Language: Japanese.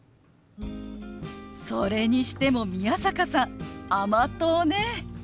それにしても宮坂さん甘党ね。